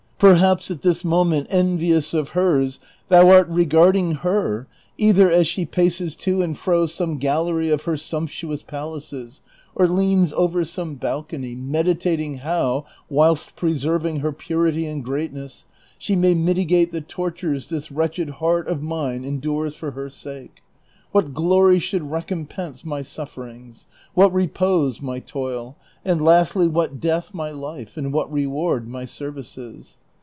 ^ Perhaps at this moment, envious of hers, thou art regarding her, either as she paces to and fro some '" Tria virgiuis ora Dianae." — ^neid iv. 511. CHAPTER XLIII. 371 gallery of her sumptuous palaces, or leans over some balcony, meditating how, whilst preserving \n\v [)urity and greatness, she may mitigate the tortures this wretched heart of mine endures for her sake, what glory shoidd recompense my suffer ings, what repose my toil, and lastly what death my life, and what reward my services